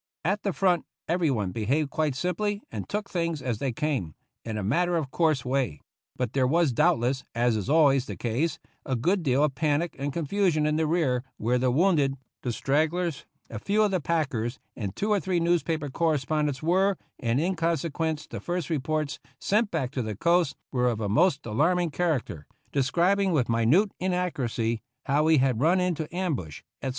At the fi ont everyone behaved quite simply and took things as they came, in a matter of course way; but there was doubtless, as is always the case, a good deal of panic and confu sion in the rear where the wounded, the strag glers, a few of the packers, and two or three newspaper correspondents were, and in conse 107 THE ROUGH RIDERS quence the first reports sent back to the coast were of a most alarming character, describing, with mi nute inaccuracy, how we had run into an ambush, etc.